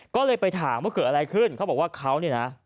ก็เลยไปถามว่าเกิดอะไรขึ้นเขาบอกว่าเขาเนี่ยนะ